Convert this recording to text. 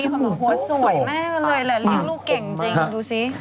เลี้ยงลูกเก่งจริงดูซิ